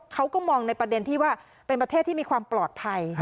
เขาก็มองในประเด็นที่ว่าเป็นประเทศที่มีความปลอดภัย